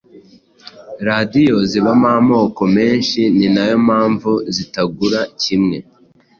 Radiyo zibamo amoko menhi ninayo mpamvu zitagura kimwe